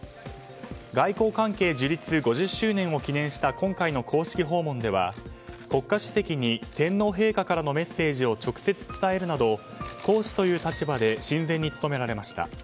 外交関係樹立５０周年を記念した今回の公式訪問では国家主席に天皇陛下からのメッセージを直接伝えるなど皇嗣という立場で親善に努められました。